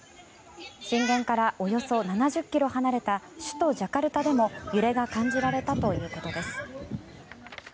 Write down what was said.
震源からおよそ７０ｋｍ離れた首都ジャカルタでも揺れが感じられたということです。